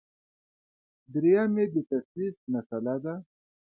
درېیم یې د تثلیث مسله ده.